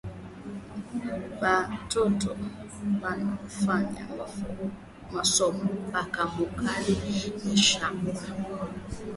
Batoto bana funda masomo paka mu kaji ya mashamba